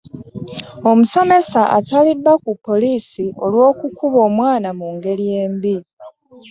Omusomesa atwaliddwa ku poliisi olw'okukuba omwana mu ngeri embi.